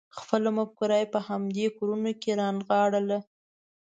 خپله مفکوره یې په همدې کورونو کې رانغاړله.